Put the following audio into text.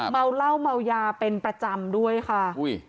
เมาเหล้าเมายาเป็นประจำด้วยค่ะ